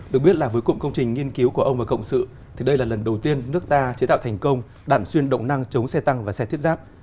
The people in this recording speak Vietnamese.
được biết là với cụm công trình nghiên cứu của ông và cộng sự thì đây là lần đầu tiên nước ta chế tạo thành công đạn xuyên động năng chống xe tăng và xe thiết giáp